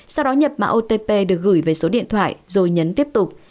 sau đó nhập mã otp được gửi về số điện thoại rồi nhấn tiếp tục